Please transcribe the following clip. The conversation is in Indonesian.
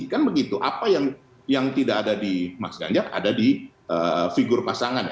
kan begitu apa yang tidak ada di mas ganjar ada di figur pasangan